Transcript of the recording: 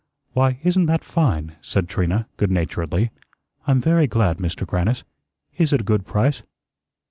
"Why, isn't that fine?" said Trina, good naturedly. "I'm very glad, Mister Grannis. Is it a good price?"